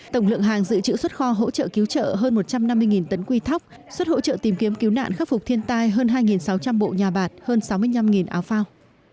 tổng lượng hàng dự trữ xuất kho hỗ trợ cứu trợ hơn một trăm năm mươi tấn quy thóc xuất hỗ trợ tìm kiếm cứu nạn khắc phục thiên tai hơn hai sáu trăm linh bộ nhà bạc hơn sáu mươi năm áo phao